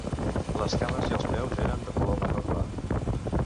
Les cames i els peus eren de color marró clar.